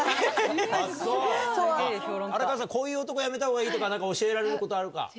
荒川さん、こういう男はやめたほうがいいとか、なんか教えられることあるか。